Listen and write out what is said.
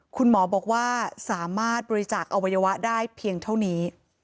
คุณหมอบอกว่าสามารถบริจาคอวัยวะได้เพียงเท่านี้